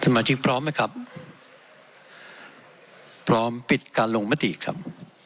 มาชิกพร้อมไหมครับพร้อมปิดการลงมติครับ